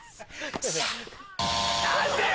何でよ！